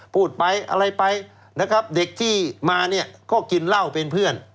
พูดไปอะไรไปนะครับเด็กที่มาเนี่ยก็กินเหล้าเป็นเพื่อน